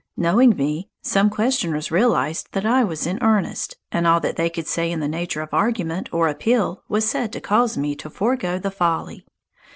Knowing me, some questioners realized that I was in earnest, and all that they could say in the nature of argument or appeal was said to cause me to "forego the folly."